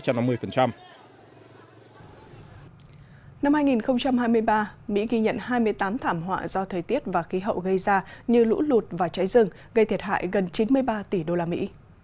năm hai nghìn hai mươi ba mỹ ghi nhận hai mươi tám thảm họa do thời tiết và khí hậu gây ra như lũ lụt và cháy rừng gây thiệt hại gần chín mươi ba tỷ đô la mỹ